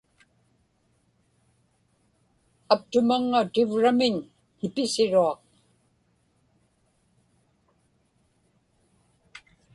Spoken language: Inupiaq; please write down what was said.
aptumaŋŋa tivramiñ kipisiruaq